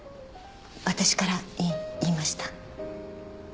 私からい言いました。